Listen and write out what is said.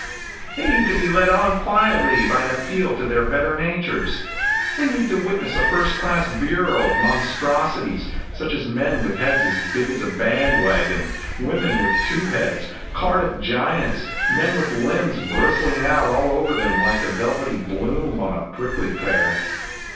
They need to be led on quietly by an appeal to their better natures. They need to witness a first class bureau of monstrosities, such as men with heads as big as a band wagon, women with two heads, Cardiff giants, men with limbs bristling out all over them like the velvety bloom on a prickly pear.